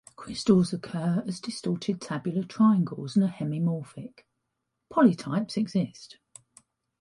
Crystals occur as distorted tabular triangles and are hemimorphic, polytypes exist.